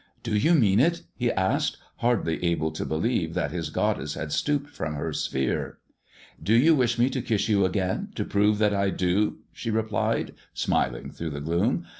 " Do you mean it ?" he asked, hardly able to believe that his goddess had stooped from her sphere. " Do you wish me to kiss you again, to prove that I do 1 " she replied, smiling through the gloom.